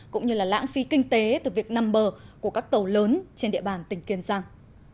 cũng như lãng phí kinh tế từ việc nằm bờ của các tàu lớn trên địa bàn tỉnh kiên giang